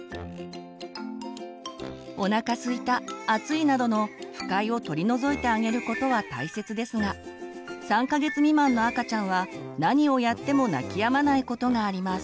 おなかすいた暑いなどの不快を取り除いてあげることは大切ですが３か月未満の赤ちゃんは何をやっても泣きやまないことがあります。